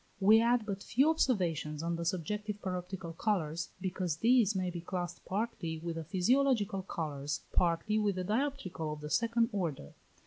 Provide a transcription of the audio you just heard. We add but few observations on the subjective paroptical colours, because these may be classed partly with the physiological colours, partly with the dioptrical of the second order.